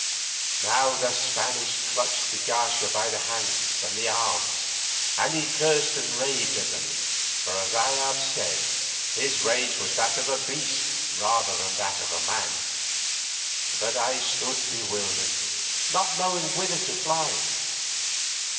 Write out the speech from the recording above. Now the Spaniards clutched de Garcia by the arms, and he cursed and raved at them, for as I have said, his rage was that of a beast rather than of a man. But I stood bewildered, not knowing whither to fly.